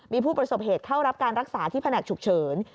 มีผู้ประสบเหตุเข้ารับการรักษาที่แผนกฉุกเฉิน